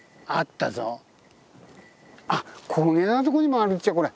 あっこげなとこにもあるっちゃこれ。